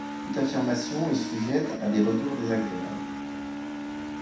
Toute affirmation est sujette à des retours désagréables.